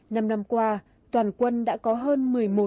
năm năm qua toàn quân đã có hơn